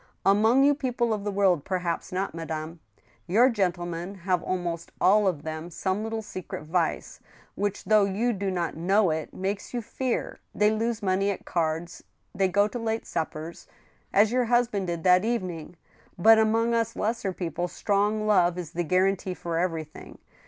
" Among you peo[rfe of the world, perhaps not, madame. Your gentlemen have almost all of them some little secret vice, which, though you do not know it, makes you fear. They lose money at cards, ... they go to late suppers, ... as your husband did that evening. But among us lesser people strong love is the guarantee for everything.